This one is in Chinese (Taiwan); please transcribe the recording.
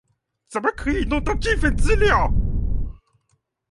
怎麼可以弄到這份資料